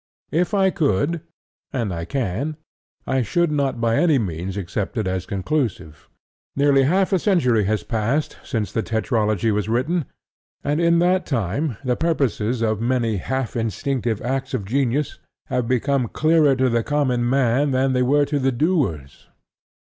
If I could (and I can) I should not by any means accept it as conclusive. Nearly half a century has passed since the tetralogy was written; and in that time the purposes of many half instinctive acts of genius have become clearer to the common man than they were to the doers.